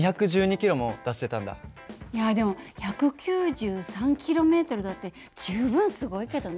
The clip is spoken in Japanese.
いやでも１９３ｋｍだって十分すごいけどね。